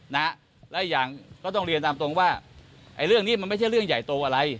และอีกอย่างก็ต้องเรียนตามตรงว่าไอ้เรื่องนี้มันไม่ใช่เรื่องใหญ่โตอะไร